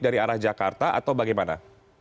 dari arah jakarta atau bagaimana